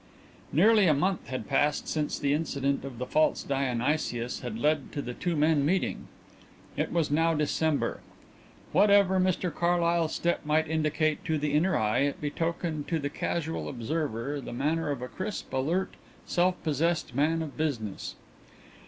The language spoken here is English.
Nearly a month had passed since the incident of the false Dionysius had led to the two men meeting. It was now December. Whatever Mr Carlyle's step might indicate to the inner eye it betokened to the casual observer the manner of a crisp, alert, self possessed man of business.